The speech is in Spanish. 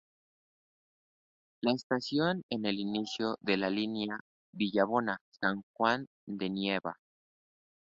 La estación es el inicio de la línea Villabona-San Juan de Nieva.